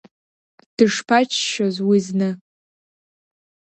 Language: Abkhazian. Дышԥаччоз уи зны!